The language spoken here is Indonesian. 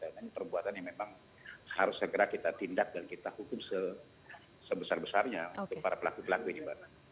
dan perbuatan ini memang harus segera kita tindak dan kita hukum sebesar besarnya untuk para pelaku pelaku ini mbak